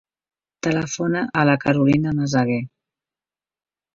Telefona a la Carolina Meseguer.